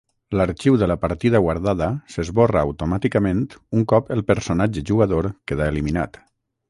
L'arxiu de la partida guardada s'esborra automàticament un cop el personatge jugador queda eliminat.